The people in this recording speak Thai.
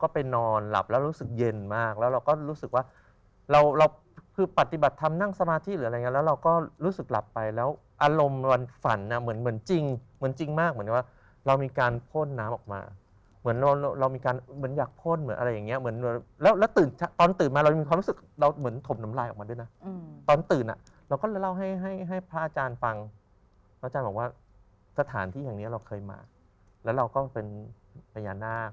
ไปนอนหลับแล้วรู้สึกเย็นมากแล้วเราก็รู้สึกว่าเราเราคือปฏิบัติธรรมนั่งสมาธิหรืออะไรงี้แล้วเราก็รู้สึกหลับไปแล้วอารมณ์วันฝันอ่ะเหมือนเหมือนจริงเหมือนจริงมากเหมือนว่าเรามีการพ่นน้ำออกมาเหมือนเรามีการเหมือนอยากพ่นเหมือนอะไรอย่างเงี้ยเหมือนแล้วแล้วตื่นตอนตื่นมาเรามีความรู้สึกเราเหมือนถมน้ำลายออกมาด้วย